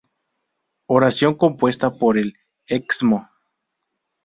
Oración compuesta por el Excmo.